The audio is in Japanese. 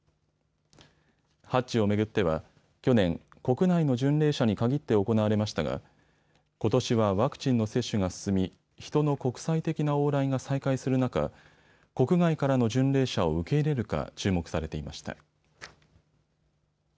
ハッジを巡っては去年、国内の巡礼者に限って行われましたがことしはワクチンの接種が進み人の国際的な往来が再開する中、国外からの巡礼者を受け入れるか注目されていました。